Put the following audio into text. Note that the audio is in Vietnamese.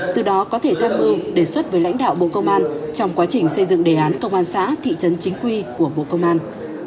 từ đó có thể tham mưu đề xuất với lãnh đạo bộ công an trong quá trình xây dựng đề án công an xã thị trấn chính quy của bộ công an